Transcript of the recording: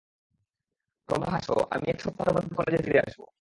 তোমরা হাসো, আমি এক সপ্তাহের মধ্যে কলেজে ফিরে আসব।